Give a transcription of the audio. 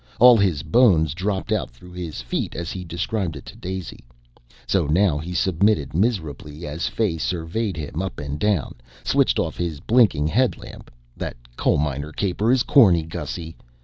All his bones dropped out through his feet, as he described it to Daisy. So now he submitted miserably as Fay surveyed him up and down, switched off his blinking headlamp ("That coalminer caper is corny, Gussy.")